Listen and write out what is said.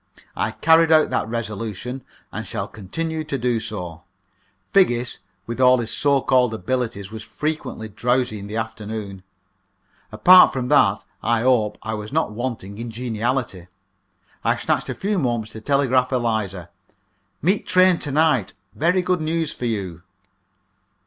I carried out that resolution, and shall continue to do so; Figgis, with all his so called abilities, was frequently drowsy in the afternoon. Apart from that, I hope I was not wanting in geniality. I snatched a few moments to telegraph to Eliza: "Meet train to night. Very good news for you."